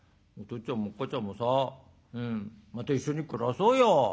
っつぁんもおっかちゃんもさまた一緒に暮らそうよ。